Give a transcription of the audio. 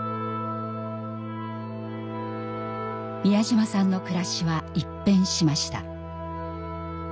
美谷島さんの暮らしは一変しました。